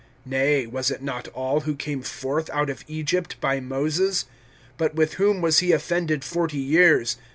Nay, was it not all who came forth out of Egypt by Moses? (17)But with whom was he offended forty years?